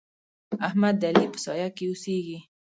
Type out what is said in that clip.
احمد د علي په سايه کې اوسېږي.